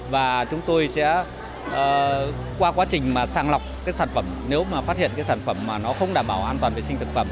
và chúng tôi sẽ qua quá trình sàng lọc sản phẩm nếu phát hiện sản phẩm không đảm bảo an toàn vệ sinh thực phẩm